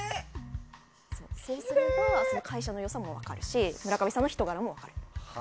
そうすれば会社の良さも分かるし村上さんの人柄も分かる。